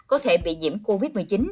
có thể bị diễm covid một mươi chín